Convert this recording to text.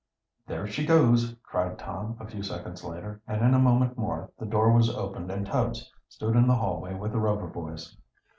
"There she goes!" cried Tom a few seconds later, and in a moment more the door was opened and Tubbs stood in the hallway with the Rover boys.